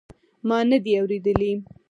ما ندي اورېدلي.